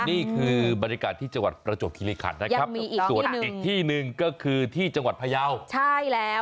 นี่คือบริการที่จังหวัดประโจทยุฯคิริคันส่วนอีกที่นึงก็คือที่จังหวัดพระเยา